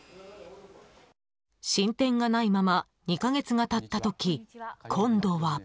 進展がないまま２か月が経った時今度は。